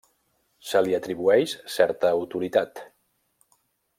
Se li atribueix certa autoritat.